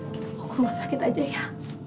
kita pukul masakit aja ya